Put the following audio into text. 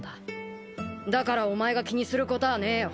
だからお前が気にするこたあねえよ。